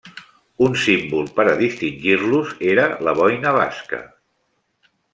Un símbol per a distingir-los era la boina basca.